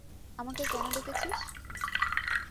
আমাকে কেন ডেকেছিস?